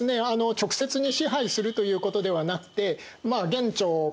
直接に支配するということではなくて元朝からね